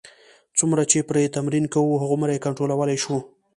څومره چې پرې تمرین کوو، هغومره یې کنټرولولای شو.